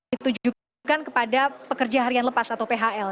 ditujukan kepada pekerja harian lepas atau phl